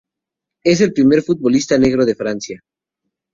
Es el primer futbolista negro de Francia